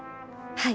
はい。